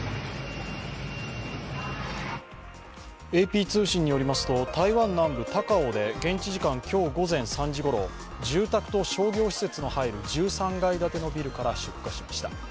ＡＰ通信によりますと台湾南部・高雄で現地時間今日午前３時ごろ住宅と商業施設の入る１３階建てのビルから出火しました。